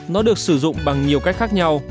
nó được sử dụng bằng nhiều cách khác nhau